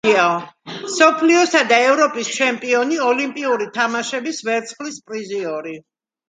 მსოფლიოსა და ევროპის ჩემპიონი, ოლიმპიური თამაშების ვერცხლის პრიზიორი.